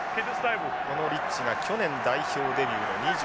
このリッチが去年代表デビューで２３歳。